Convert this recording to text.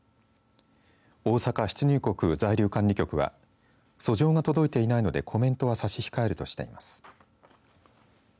大阪出入国在留管理局は訴状が届いていないのでコメントは差し控えるとしています。